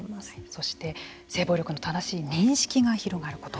そして性暴力の正しい認識が広がること。